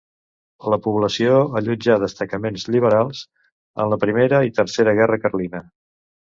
La població allotjà destacaments liberals en la primera i tercera guerra Carlina.